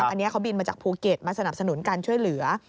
อันนี้เขาบินมาจากภูเก็ตมาสนับสนุนการช่วยเหลือ